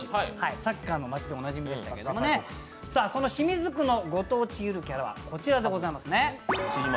サッカーの街でおなじみでしたけどもその清水区のご当地ゆるキャラは、こちらでございますね。